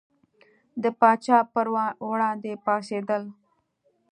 د پاچا پر وړاندې پاڅېدل.